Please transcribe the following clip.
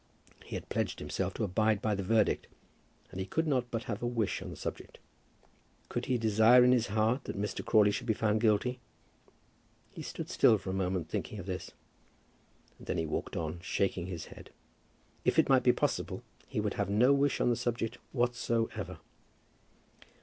He had pledged himself to abide by the verdict, and he could not but have a wish on the subject. Could he desire in his heart that Mr. Crawley should be found guilty? He stood still for a moment thinking of this, and then he walked on, shaking his head. If it might be possible he would have no wish on the subject whatsoever.